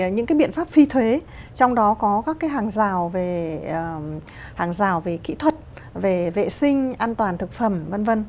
những biện pháp phi thuế trong đó có các hàng rào về kỹ thuật về vệ sinh an toàn thực phẩm v v